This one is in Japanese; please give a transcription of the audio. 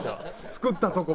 作ったとこも。